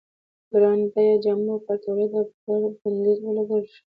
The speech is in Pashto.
ګران بیه جامو پر تولید او پېر بندیز ولګول شو.